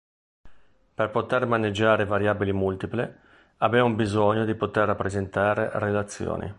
Per poter maneggiare variabili multiple, abbiamo bisogno di poter rappresentare relazioni.